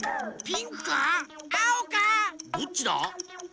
どっちだ？